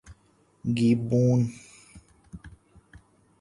گیبون